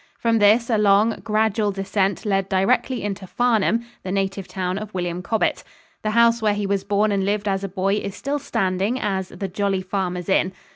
From this a long, gradual descent led directly into Farnham, the native town of William Cobbett. The house where he was born and lived as a boy is still standing as "The Jolly Farmers' Inn."